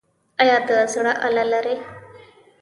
ایا د زړه آله لرئ؟